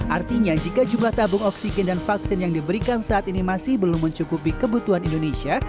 artinya jika jumlah tabung oksigen dan vaksin yang diberikan saat ini masih belum mencukupi kebutuhan indonesia